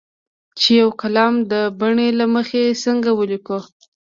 چې یو کالم د بڼې له مخې څنګه ولیکو.